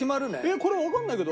これわかんないけど